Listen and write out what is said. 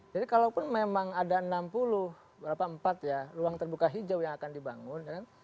jadi kalaupun memang ada enam puluh berapa empat ya ruang terbuka hijau yang akan dibangun kan